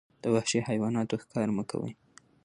د وحشي حیواناتو ښکار مه کوئ.